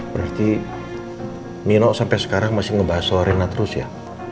berarti nino sampai sekarang masih ngebahas soal rina terus ya